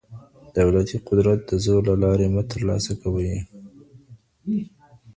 دولتي قدرت د زور له لاري مه ترلاسه کوئ.